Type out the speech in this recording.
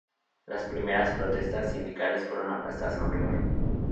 Las primeras protestas sindicales fueron aplastadas con rigor.